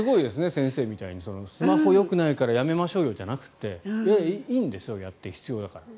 先生みたいにスマホよくないからやめましょうじゃなくていやいや、いいんですよ、やって必要だから。